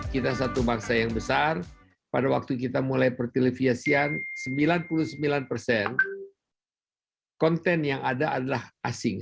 kita satu bangsa yang besar pada waktu kita mulai pertelevisian sembilan puluh sembilan persen konten yang ada adalah asing